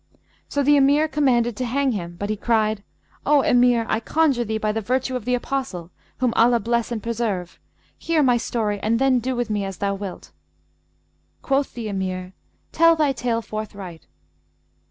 So the Emir commanded to hang him; but he cried, 'O Emir, I conjure thee, by the virtue of the Apostle (whom Allah bless and preserve!), hear my story and then do with me as thou wilt.' Quoth the Emir, 'Tell thy tale forthright.'